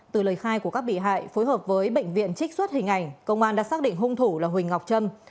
từ lời khai của các bị hại phối hợp với bệnh viện trích xuất hình ảnh công an đã xác định hung thủ là huỳnh ngọc trâm